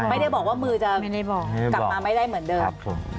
ไม่ได้บอกว่ามือจะกลับมาไม่ได้เหมือนเดิม